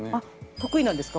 得意なんですか？